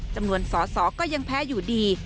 จำนวนสอสอก็ยังแพ้อยู่ดี